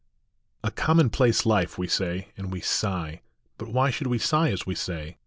COMMONPLACE life," we say, and we sigh But why should we sigh as we say ?